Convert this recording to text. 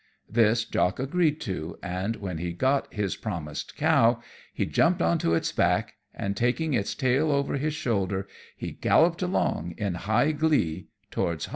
This Jock agreed to; and when he got his promised cow he jumped on to its back, and taking its tail over his shoulder, he galloped along, in high glee, towards home.